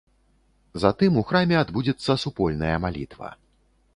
Затым у храме адбудзецца супольная малітва.